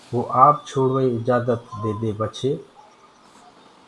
وو آپ ڇوڙوآئيٚ آجآجت ديدي پڇي